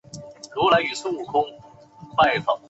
阿伯表示阿三在睡觉